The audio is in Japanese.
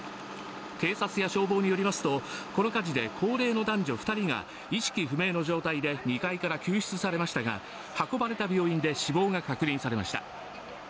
警察や消防によりますとこの火事で高齢の男女２人が意識不明の状態で２階から救出されましたが運ばれた病院で死亡が確認されました。